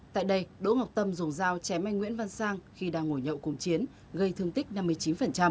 tại đây đỗ ngọc tâm dùng dao chém anh nguyễn văn sang khi đang ngồi nhậu cùng chiến gây thương tích năm mươi chín